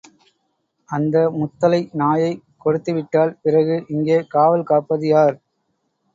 அந்த முத்தலை நாயைக் கொடுத்துவிட்டால், பிறகு இங்கே காவல் காப்பது யார்?